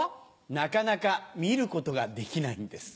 なかなか見ることができないんです。